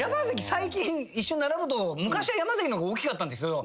最近一緒に並ぶと昔は山崎の方が大きかったんですけど。